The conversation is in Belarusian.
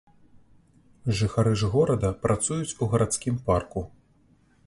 Жыхары ж горада працуюць у гарадскім парку.